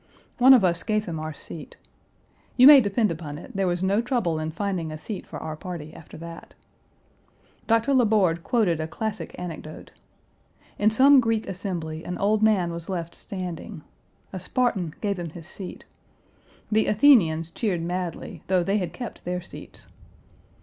One of us gave him our seat. You may depend upon it there was no trouble in finding a seat for our party after that. Dr. La Borde quoted a classic anecdote. In some Greek assembly an old man was left standing. A Spartan gave him his seat. The Athenians cheered madly, though they had kept their seats.